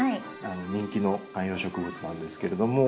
人気の観葉植物なんですけれども。